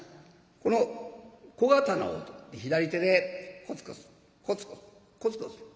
この小刀を取って左手でコツコツコツコツコツコツ。